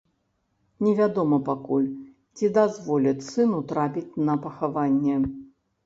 Невядома пакуль, ці дазволяць сыну трапіць на пахаванне.